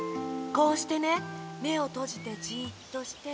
こうしてねめをとじてじっとして。